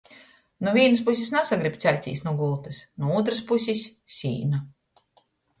Nu vīnys pusis nasagrib ceļtīs nu gultys, nu ūtrys pusis - sīna...